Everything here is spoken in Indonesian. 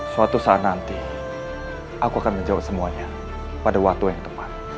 suatu saat nanti aku akan menjawab semuanya pada waktu yang tepat